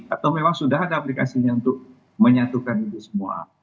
atau memang sudah ada aplikasinya untuk menyatukan itu semua